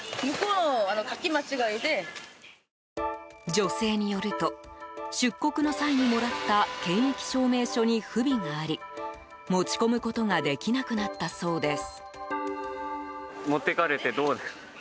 女性によると出国の際にもらった検疫証明書に不備があり、持ちこむことができなくなったそうです。